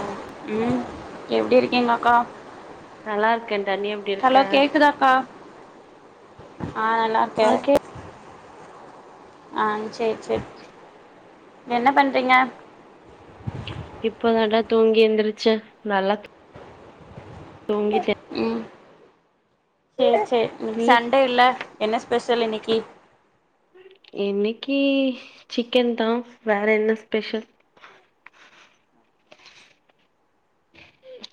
ஓ ம் எப்டி இருக்கீங்க அக்கா நல்லா இருக்கே டா நீ எப்டி இருக்க லோ கேக்குதாக்கா ஆ நல்லா இருக்கே ஆ கே ஆ செரி செரி என்ன பண்றீங்க இப்போதான்டா தூங்கி எந்திரிச்சே நல்லா தூங்கிட்டே ம் சரி சரி ம் நீ சண்டேல என்ன ஸ்பெஷல் இன்னைக்கி இன்னிக்கு சிக்கன் தா வேற என்ன ஸ்பெஷல்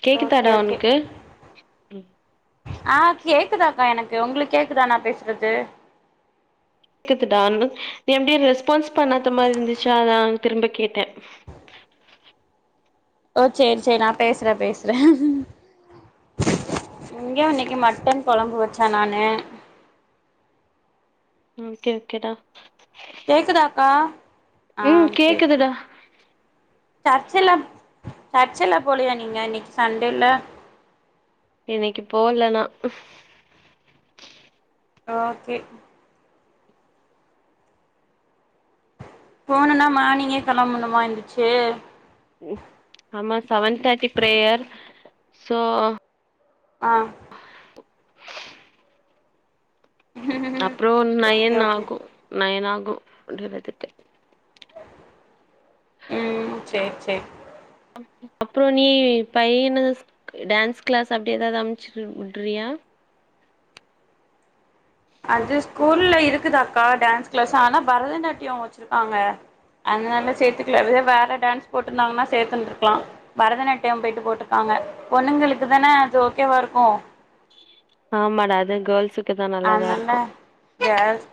கேக்குதாடா ஓகே ஓகே ஒனக்கு ஆ கேக்குதாக்கா எனக்கு ஒங்களுக்கு கேக்குதா நா பேசுறது கேக்குதா நீ அப்டியே ரெஸ்பான்ஸ் பண்ணாத மாரி இருந்துச்சா அதா திரும்ப கேட்டே ஓ சேரி சேரி நா பேசுறே பேசுறே இங்கயு இன்னைக்கு மட்டன் கொழம்பு வெச்ச நானு ஓகே ஓகேடா கேக்குதாக்கா ஆ ம் சேர் கேக்குதுடா சேரி சர்ச்சுல சர்ச்சுல போலிய நீங்க இன்னைக்கி சண்டேல இன்னைக்கு போல நா ஓகே போணுன்னா மார்னிங்கே கெளம்பணுமா எந்துச்சு ம் ஆமா செவன் தேர்ட்டி ப்ரேயர் சோ ஆ அப்றொ ஓகே நயன் ஓகே ஆகு நயன் ஆகு முடிறதுகே ம் சேரி சேரி ம் அப்றொ நீ பையன ஸ் டான்ஸ் க்ளாஸ் அப்டி ஏதாது அம்ச்சு விட்றியா அது ஸ்கூல்ல இருக்குதாக்கா டான்ஸ் கிளாஸ் ஆனா பரதநாட்டியோ வெச்சிருக்காங்க அதுனால சேத்துக்குல இதே வேற டான்ஸ் போட்டுருந்தாங்கன்னா சேத்துன்ட்ருக்கலா பரதநாட்டியோ போயிட்டு போட்டுருக்காங்க பொண்ணுங்களுக்கு தானே அது ஓகேவா இருக்கு ஆமாடா அது கேர்ல்ஸு அனால கேர்ல்ஸ்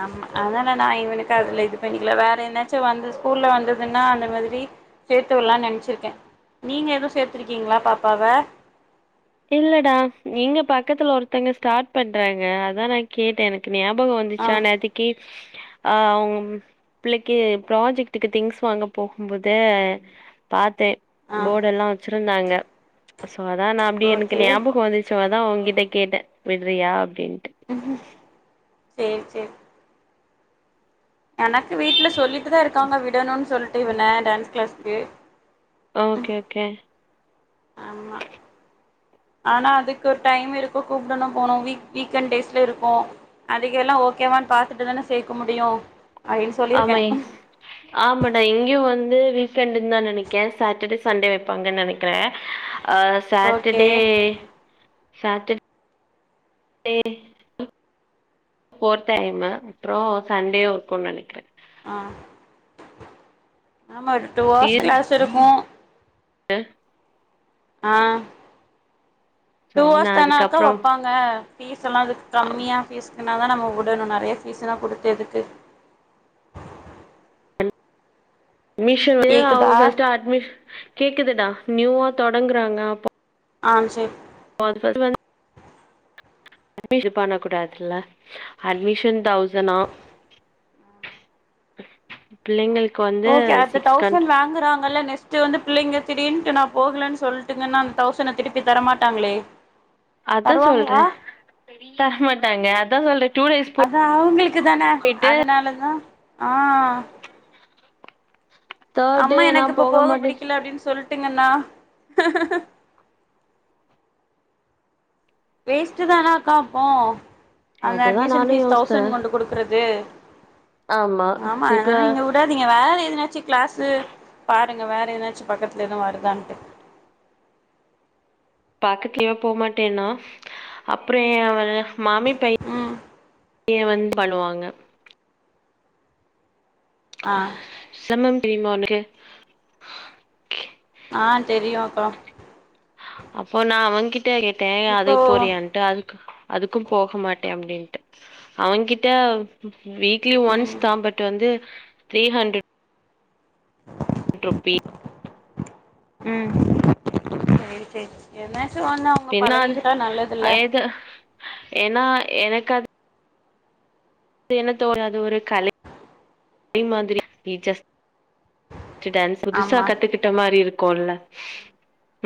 ஆமா அதனால நா இவனுக்கு அதுல இது பண்ணிக்கல வேற என்னாச்சு வந்து ஸ்கூல்ல வந்ததுன்னா அந்த மாதிரி சேத்து விட்லானு நெனச்சிருக்கே நீங்க எதுவு சேத்திருக்கீங்களா பாப்பாவ இல்லடா இங்க பக்கத்துல ஒருத்தங்க ஸ்டார்ட் பண்றாங்க அதா நா கேட்டே எனக்கு ஞாபக ஆ வந்துச்சா நேதிக்கு ஆ ஆவ்ங் பிள்ளைக்கு ப்ராஜெக்டுக்கு திங்ஸ் வாங்க போகும்போது பாத்தே ஆ போட் எல்லா வெச்சிருந்தாங்க சோ அதா நா ஓகே கொதிச்சவதா உங்கிட்ட கேட்ட விட்றியா அப்டின்ட்டு சேரி செரி எனக்கு வீட்ல சொல்லிட்டு தா இருக்காங்க விடணுனு சொல்ட்டு இவன டான்ஸ் க்ளாஸ்க்கு ஓகே ஓகே ஆமா ஆனா அதுக்கு ஒரு டைம் இருக்கு கூப்டனு போணு வீ வீக்கேண்ட் டேஸ்ல இருக்கு அதுக்கெல்லா ஓகேவானு பாத்துட்டு தானே சேக்க முடியு அப்டின்னு ஆமா சொல்லியிருக்கே எ ஆமாடா இங்கேயு வந்து வீக்கெண்டுன் தா நெனைக்கே சாட்டர்டே சண்டே வைப்பாங்கன் நெனைக் குறே அ okay Saturday Saturday four time அப்றொ சண்டே ஒர்க்குன் நெனைக்குறே ஆ ஆமா ஒரு டூ ஹவர்ஸ் தீராச்சு. கிளாஸ் இருக்கு [unintelligible] ஆ சோ டு ஹவர்ஸ் நான் தானே அக்கா அதுக்கப்புறம் வப்பாங் அ ஃபீஸ்லா அதுக்கு கம்மியா ஃபீஸ்க்னா தா நம்ப உடனு நெறையா ஃபீஸுன்னா குடுத்து எதுக்கு மீஷோவ்லயே அவங்க கேக்குதா ஃபஸ்ட் அட்மின் கேக்குதுடா நியூவா தொடங்குறாங்க ஆம் சேர் [unintelligible] அட்மினஷன் பண்ண கூடாதுல்ல அட்மிஷன் தௌசனா பிள்ளைங்களுக்கு வந் ஓகே அத்த தௌசண்ட் வாங்குறாங்கல்ல நெஸ் ஸ்ட் வந்து பிள்ளைங்க திடின்னுட்டு நா போகலன் சொல்ட்டுங்கன்னா அந்த தௌசன திருப்பி தரமாட்டாங்களே அத சொல்றே தருவாங்களா டேஸ் அதா அவுங்களுக்கு தான போயிட்டு அதனாலதா ஆ டே அம்மா எனக்கு நான் இப்ப போக மாட்டேன் புடிக்கல அப்டின்னு சொல்லிட்டுங்கண்ணா வேஸ்ட்டு தானா கா அப்போ அந்த அதுதா அட்மிஷன் நானு ஃபீஸ் யோசித்தே தௌசண் கொண்டு குடுக்குறது ஆமா அதனால நீங்க உடாதீங் நீங்க வேறு எத்னாச்சு க்ளாஸு பாருங்க வேறு எத்னாச்சு பக்கதுல எதுவு வருதான்ட்டு பக்கத்துலயு போமாட்டேன்னா அப்றொ என் அவ மாமி பைய ம் பையன் வந் பண்ணுவாங்க ஆ சமம் தெரியுமா உனக்கு ஆ தெரியு அக்கா அப்போ நா அவெ கிட்ட கேட்டே இப்போ அதுக்கு போறியான்ட்டு அதுக்கு அதுக்கு போக மாட்டே அப்டின்ட்டு அவெ கிட்ட வீக்லி ஒன்ஸ் ம் தா பட் வந்து த்ரீ ஹன்ட்ர ரூபி ம் சேரி சேரி எதனாச்சு வாங்னா பின்னால் எது ஏனா எனக்கு அது என்ன தோ அது ஒரு கலை கலை மாதிரி ஃபீச்சர்ஸ் டான்ஸ் புதுசா ஆமா கத்துகிட் ட மாரி இருக்குல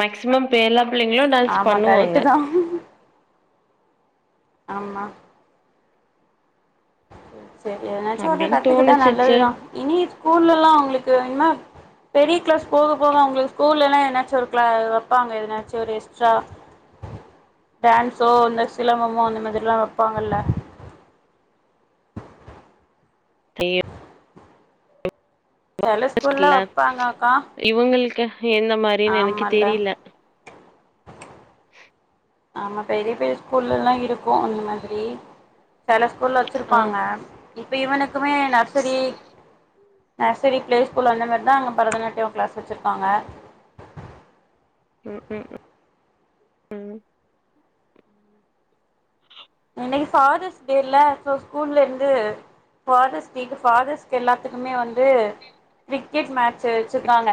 மேக்சிமம் இப்ப எல்லா பிள்ளைங்களு டான்ஸ் ஆமா பண்ணுவாங்க கரெக்ட் தா ஆமா செரி செரி எதனாச்சு ஒன்னு அப்டின்னு கத்துக்கிட்டா தோணுச்சு நல்லதுதா சேர் இனி ஸ்கூல்லல்லா அவுங்களுக்கு இன்னா பெரிய கிளாஸ் போக போக அவுங்களுக்கு ஸ்கூல்லலா எதனாச்சு ஒரு க்ள வப்பாங்க எதனாச்சு ஒரு எக்ஸ்ட்ரா டான்ஸோ இந்த சிலம்பமோ அந்த மாதிரிலா வப்பாங்க இல்ல தையிர் செல ஸ்கூல்ல வப்பாங்க அக்கா இவுங்களுக்கு எந்த மாரின்னு எனக்கு ஆமால்ல தெரில ஆமா பெரிய பைய ஸ்கூல்லலா இருக்கு அந்த மாதிரி செல ஸ்கூல்ல ஆ வச்சிருப்பாங்க இப்ப இவனுக்குமே நர்சரி நர்சரி பிளே ஸ்கூல் அந்த மாரிதா அங்க பரதநாட்டியோ கிளாஸ் வச்சிருக்காங்க ம் ம் ம் இன்னைக் ஃபாதர்ஸ் டே இல்ல சோ ஸ்கூல்ல இருந்து ஃபாதர்ஸ் டேக்கு ஃபாதர்ஸ்க்கு எல்லாத்துக்குமே வந்து கிரிக்கேட் மேட்சு வச்சுருக்காங்க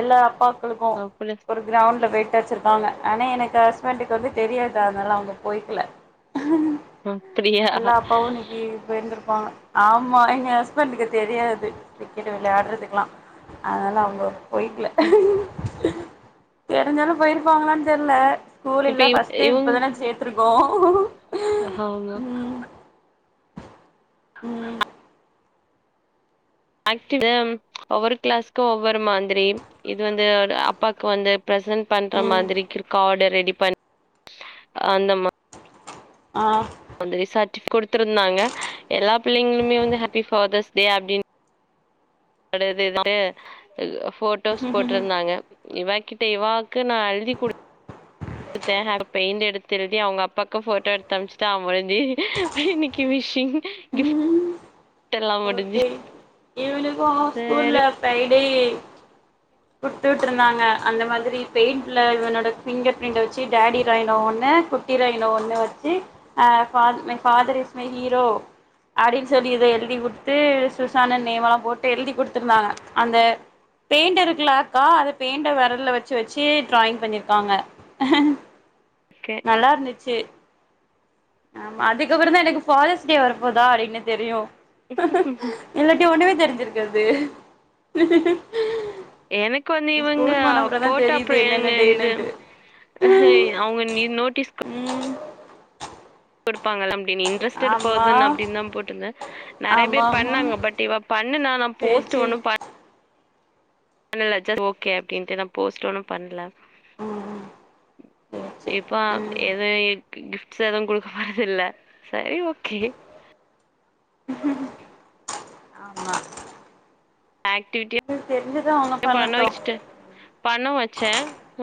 எல்லா அப்பாக்களுக்கு அப்டி ஒரு கிரவுண்ட்ல பொய்டு வச்சிருக்காங்க ஆனா எனக்கு ஹஸ்பண்டுக்கு வந்து தெரியாது அதனாலா அவுங்க பொய்க்ல அப்டியா அப்பாவு இன்னைக்கு ஆமா எங்க ஹஸ்பண்டக்கு தெரியாது கிரிக்கெட் வெளையாட்றதுக்ல்லா அதல அவுங்க பொய்க்ல தெரிஞ்சாலு பொய்ருப்பாங்ளான்னு தெரில இப்ப ஸ்கூல்ல இவ் ஃபஸ்ட் டைம் இப்ப தானே சேத்ருக்கோ ஹ ஆமா ம் [unintelligible] ஒவ்வொரு கிளாஸ்க்கு ஒவ்வொரு மாதிரி இது வந்து அப்பாக்கு வந்து ப்ரெசன்ட் பண்ற ம் மாதிரி கிருக் கார்ட் ரெடி பண்ணி அந்த மா அ வந்து சார்ட்டி குடுத்திருந்தாங்க எல்லா பிள்ளைங்களுமே வந்து ஹாப்பி ஃபாதர்ஸ் டே அப்டின் [unintelligible] போட்டோஸ் போட்டிருந்தாங்க இவா கிட்ட இவாக்கு நா எழ்தி குடுத் தே அவ பெயிண்ட் எடுத்து எழுதி அவுங்க அப்பாவுக்கு போட்டோ எடுத்து அனுப்ச்சுட்டு அவ [unintelligible] இன்னைக்கு விஷ்ஷிங் கிஃப் ம் டெல்லா முடிஞ்சி இப்போ ஸ்கூல்ல ஃப்ரைடே குடுத்துவிட்டுருந்தாங்க அந்த மாதிரி பெயிண்ட்ல இவனோட பிங்கர் பிரிண்ட்ட வச்சி டேடி ராய்னோ ஒன்னு குட் ரைன்னோ ஒன்னு வச்சி அ my father is my hero அப்டின் சொல்லி இத எழுதிவுட்டு சுசானு நேம்எல்லா போட்டு எழுதி குடுத்துருந்தாங்க அந்த பெயிண்டர் இருக்லாக்கா அது பெயிண்டர் வெரல வச்சி வச்சி ட்ராயிங் பண்ணிருக்காங்க ஓகே நல்லாருந்துச்சி ஆமா அதுக்கப்புறோதா எனக்கு ஃபாதர்ஸ் டே வரப்போதா அப்டின்னு தெரியு இல்லாட்டி ஒன்னுமே தெரிஞ்சிருக்காது எனக்கு வந்து இவுங்க ஸ்கூலுக்கு போன அப்புறம் தான் போட்டா தெரியுது அப்றோ ஏங்க என்னென்ன இது டேனுன்ட்டு அஹே அவுங்க நீ நோட்டீஸ் ம் கொடுப்பாங்க அப்டின்னு இன்ட்ரெஸ்ட் ஆமா பெர்ஷன் அப்டின்னுதா போட்ருந்த நெறைய ஆமா பேர் ஆமா பண்ணாங்க பட் இவ பண்ணுனா நா சேரி போஸ்ட் சேரி ஒண்ணு பண் ண்ல சேர் ஓகே அப்டின்ட்டு நா போஸ்ட் ஒன்னு பண்ல ம் சேரி சேரி இப்பா ம் எதே கிஃப்ட்ஸ் எது குடுக்க போறதில்ல செரி ஓகே ஆமா ஆக்டிவிட்டி செஞ்சு தா ஆனு பண்ண வெச்ட்டே பண்ண வெச்சே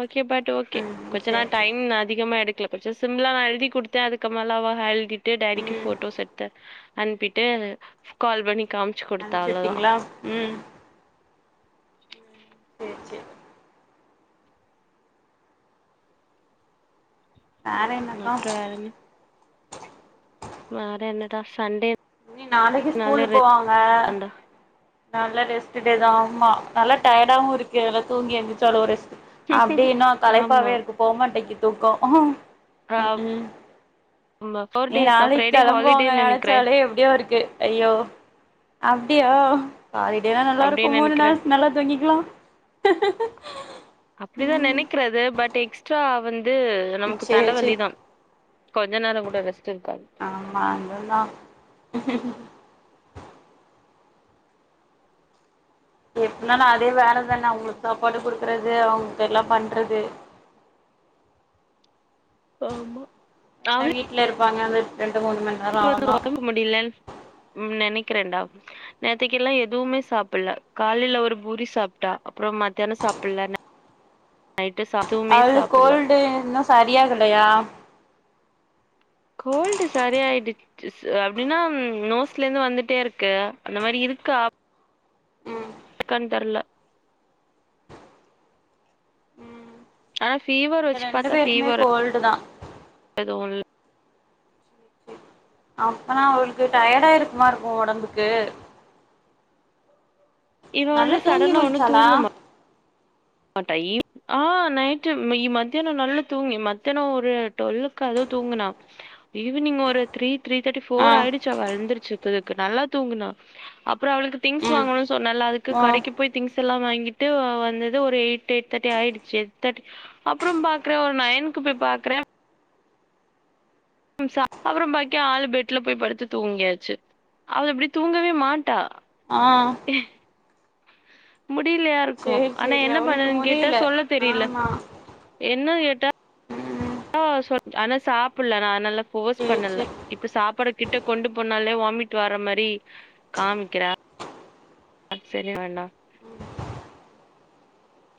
ஓகே பட் ஓகே ம் கொஞ்சோ நா சேரி சேரி டைம் நா அதிகமா எடுக்ல கொஞ்சோ சிம்ள நா எழுதி குடுத்தோ அதுக்கு மேல அவ ஹழ்தி டு டேடிக்கு ம் போட்டோஸ் எடுத்து அன்ப்பிட்டு கால் பண்ணி காமிச்சு குடுத்தா அனுப்ச்சு அவ்ளோதா விட்டீங்களா ம் சேர் வேற என்னக்கா அப்புறம் வேற என்ன வேற என்னடா சண்டே இனி நாளைக்கி ஸ்கூலு போவாங்க தான்டா நல்லா ரெஸ்ட்டு டே தா ஆமா நல்ல டயர்டாவு இருக்கு இதுல தூங்கி எந்துருச்சாளு ரெஸ்ட் அப்டின்னு ஆமா களைப்பாவே இருக்கு போ மாட்டேக்கு தூக்கோ ம் ஆமா ஃபோர் இனி டேஸ் தான் நாளைக் ஃப்ரைடே கெளம்புவாங்க ஹாலிடேன்னு நெனைக்கிறேன் நெனைச்சாலே எப்டியோ இருக்கு அய்யோ அப்டியோ ஹாலிடேலா நல்லாருக்கு அப்டின்னு மூணு நெனைக்கிறேன் நாள்ஸ் நல்லா தூங்கிக்கலா அப்டி தா நெனைக்றது பட் எக்ஸ்ட்ரா வந்து இது நமக்கு சேரி தலைவலி சேரி தா கொஞ்ச நேரோ கூட ரெஸ்ட் இருக்காது மாங்கல்தா எப்டினா அதே வேறதான அவுங்களுக் சாப்பாடு குடுக்குறது அவுங்களுக் எல்லா பண்றது ஆமா என்ன வீட்லயிருப்பாங்க அந்த ரெண்டு மூணு மண் இ நேரோ ப்ப வந்து அவ்ளோதா ஒடம்புக் முடிலன் நெனைக்கிறேன்டா நேத்திக்கிலா எதுவுமே சாப்புல்ல காலேல ஒரு பூரி சாப்ட்டா அப்பறோ மத்யானோ சாப்புட்ல நைட்டு சாப் அது கோல்டு இன்னோ சரியாகலையா கோல்டு சரி ஆய்டு சு அப்டின்னா நோஸ்லந்து வந்துட்டேயிருக்கு அந்த மாரியிருக்கா ம் இருக்கான் தெர்ல ம் ஆனா ஃபீவர் இங்க வச்சு ரெண்டு பாத்தா பேருக்குமே ஃபீவர் கோல்டு தா எதுவுயில் அப்பனா அவளுக்கு டயடா இருக்குமா இருக்கு ஒடம்புக்கு இவ நல்லா வந்து தூங்கி சடனா ஒண்ணு முழிச்சாளா தூங்க மா மாட்டாயி ஆ நைட்டு இ மத்தியானோ நல்லா தூங்கி மத்தியானோ ஒரு டுவெல்க்கு அதுவு தூங்குனா ஈவினிங் ஒரு த்ரீ த்ரீ தேர்ட்டி ஆ ஃபோர் ஆய்றுச்சு அவ எழ்ந்துருச்சுபுதுக்கு நல்லா தூங்குனா அப்பறோ அவளுக்கு திங்ஸ் ம் வாங்கணு சொன்னல அதுக்கு ஆ கடைக்கு போய் திங்ஸ் எல்லா வாங்கிட்டு வ வந்து இது ஒரு எய்ட் எய்ட் தேர்ட்டி ஆயிடுச்சு எய்ட் தேர்ட்டி அப்பறோ பாக்குறே ஒரு நயனுக்கு போய் பாக்குறே ம் சா அப்பறோ பாக்கே ஆள் பெட்ல போய் படுத்து தூங்கியாச்சு அவ அப்டி தூங்கவே மாட்டா ஆ முடிலயாரு க்கு சேரி ஆனா சேரி என்ன அவளுக்கு பண்ணதுன் கேட்டா முடியல சொல்ல தெரில ஆமா என்ன கேட்டா ம் டா சொல் ஆனா சாப்புல்ல நா அந்னால ஃபோஸ் சேரி பண்ணல சேரி இப்ப சாப்பாட கிட்ட கொண்டு போனாலே வாமிட் வர்ர மாரி காமிக்கிறா அ செரி வேண்டா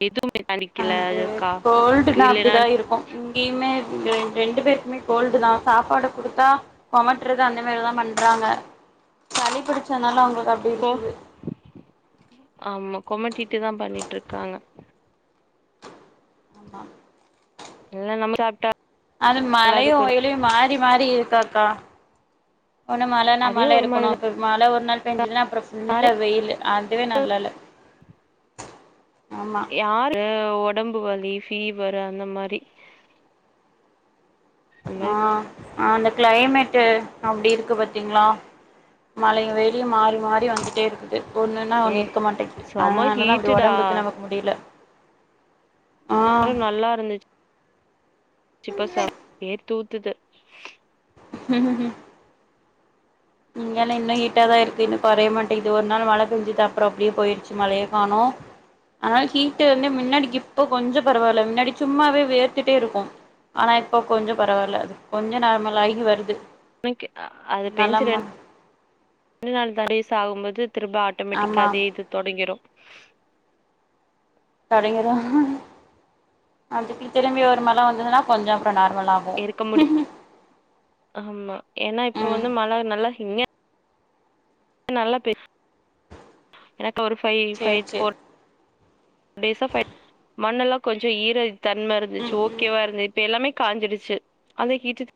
எது மெக்கானிக்கில்ல அது கோல்டுனா அப்டிதா இருக்கு இங்கியுமே ரெண் ரெண்டு பேருக்குமே கோல்டு தா சாப்பாட குடுத்தா கொமட்றது அந்த மாரிதா பண்றாங்க சளி புடுச்சனால அவுங்ளுக்கு அப் கோ ஆமா கொமட்டிட்டு தா பண்ணிட்ருக்காங்க அ இல்ல நம்ம சாப்ட்டா அது அது மழையு கொஞ்ச வெயிலையு மாறி மாறியிருக்காக்கா ஒன்னு மழனா அதே ஒரு மழயிருக்குனு மாரிதா இப்பப் மழ ஒர் நாள் பேஞ்சுதுன்னா அப்றோ ஃபுல்லா யாரு வெயிலு அதுவே நல்லால்ல ஆம்மா. அ ஒடம்பு வலி ஃபீவர் அந்த மாரி. அந்த மாரி அ அ அந்த கிளைமேட்டு அப்டி இருக்கு பாத்தீங்ளா? மழையு வெய்ளியு மாறி மாறி வந்துட்டே இருக்குது. ஒன்னுன்னா ஏ நிர்க்க மாட்டக்கி செம அதனாலதா அப்டி ஹீட்டுடா ஒடம்புக்கு நமக்கு முடில. ஆனா நல்லாருந்துச் [inaudible] ச்சு இப்ப ச [inaudible] வேர்த்து ஊத்துது. ம் இங்கெல்லா இன்னு ஹீட்டாதா இர்க்கு இன்னு கொறைய மாட்டிகிது ஒர் நாள் மழ பெஞ்ச்சுட் அப்றோ அப்டியே போய்ர்ச்சு மழையே காணோ. அதனால ஹீட்டு வந்து மின்னாடிக்கு இப்போ கொஞ்சோ பரவால்ல மின்னாடி சும்மாவே வேர்த்துட்டேருக்கு. ஆனா இப்போ கொஞ்சோ பரவால்ல அது கொஞ்சோ நார்மல் ஆகி வருது. [inaudible] அ அது பெஞ்சு நலமா ரெண் [inaudible] ண்டு நாள் தா டேஸ் ஆவும்போது திரும்ப ஆட் டோமேட்டிக்கா ஆமா அதே இது தொடங்கிறு. தொடங்கிறு அப்டி [unintelligible] திரும்பி வர மழ வந்துதுனா கொஞ்சோ அப்றோ நார்மல் ஆ கு. இருக்க முடி ஆமா ஏன்னா இப்ப ம் வந்து மழ நல்லா ஹிங்க நல்லா பேசு எனக்கு ஒரு ஃபை சேரி ஃபைட் சேரி ஃபோர் டேஸ்சா ஃபை மண்ணு எல்லா கொஞ்சோ ஈரத்தன்ம இருந்துச்சு ம் ம் ஓகேவா இருந்து இப்ப எல்லாமே காஞ்சிடுச்சு அந்த ஹீட்டுட்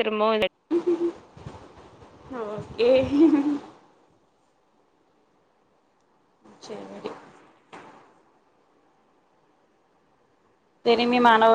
திரும்பவு இதாய் ஓ ஏ ம் சேரி. திரும்பியு மழ வ